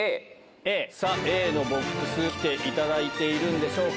Ａ、さあ、Ａのボックス、来ていただいているんでしょうか？